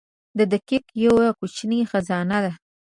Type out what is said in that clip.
• دقیقه یوه کوچنۍ خزانه ده.